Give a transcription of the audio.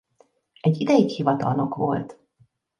Egy ideig hivatalnok volt.